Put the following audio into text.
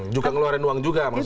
juga ngeluarin uang juga maksudnya